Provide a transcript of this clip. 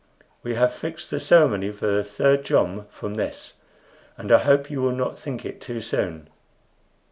We have fixed the ceremony for the third jom from this, and I hope you will not think it too soon."